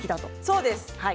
そうです。